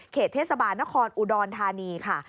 เทศบาลนครอุดรธานีค่ะ